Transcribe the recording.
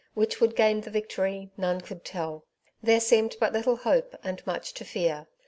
Which would gain the victory none could tell. There seemed but little to hope, and much to fear.